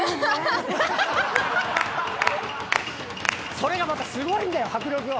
それがまたすごいんだよ迫力が。